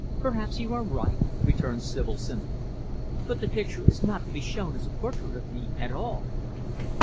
"Perhaps you are right," returned Sibyl, simply. "But the picture is not to be shown as a portrait of me, at all."